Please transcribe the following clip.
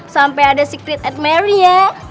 sampai ada secret at mary ya